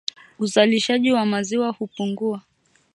Uzalishaji wa maziwa hupungua